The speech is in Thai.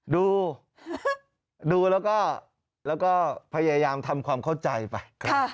ดูดูแล้วก็พยายามทำความเข้าใจไป